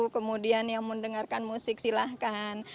kemudian yang mendengarkan musik silahkan